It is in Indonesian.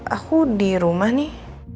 aku di rumah nih